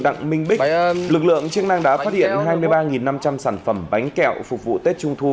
đặng minh bích lực lượng chức năng đã phát hiện hai mươi ba năm trăm linh sản phẩm bánh kẹo phục vụ tết trung thu